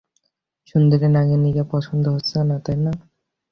সুন্দরী নাগিনীকে পছন্দ হচ্ছে না, তাই না?